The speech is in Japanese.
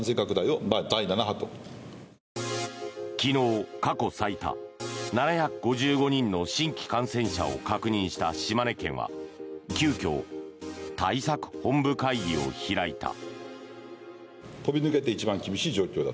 昨日、過去最多７５５人の新規感染者を確認した島根県では急きょ、対策本部会議を開いた。